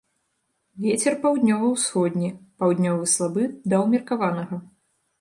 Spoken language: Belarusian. Вецер паўднёва-ўсходні, паўднёвы слабы да ўмеркаванага.